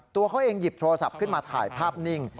ตัวเขาเองหยิบโทรศัพท์ขึ้นมาถ่ายภาพนิ่ง